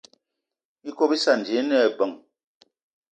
Ikob íssana ji íne lebeng.